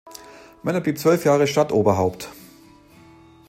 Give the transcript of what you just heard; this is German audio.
Möller blieb zwölf Jahre Stadtoberhaupt.